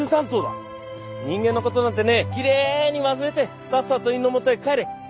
人間の事なんてねきれいに忘れてさっさと犬のもとへ帰れ！